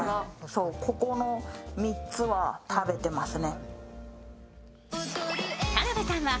ここの３つは食べてますね。